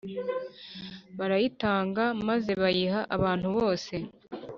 barayitanga maze bayiha abantu bose